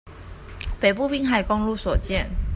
北部濱海公路所見